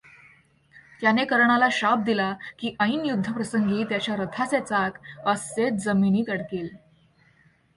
त्याने कर्णाला शाप दिला, की ऐन युद्धप्रसंगी त्याच्या रथाचे चाक असेच जमिनीत अडकेल.